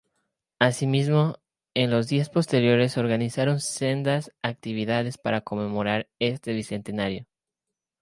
Así mismo, en los días posteriores se organizaron sendas actividades para conmemorar este Bicentenario.